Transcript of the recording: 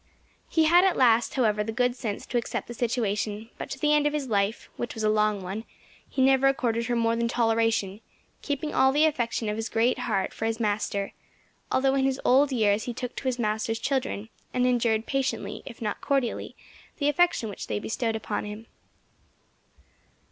He had at last, however, the good sense to accept the situation; but to the end of his life, which was a long one, he never accorded her more than toleration, keeping all the affection of his great heart for his master, although in his old years he took to his master's children, and endured patiently, if not cordially, the affection which they bestowed upon him.